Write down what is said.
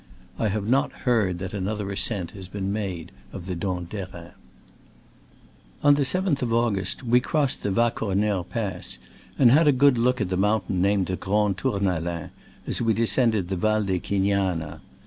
I have not heard that another ascent has been made of the Dent d'Erin. On the 7th of August we crossed the Va Cornere pass, and had a good look at the mountain named the Grand Tour nalin as we descended the Val de Chi gnana.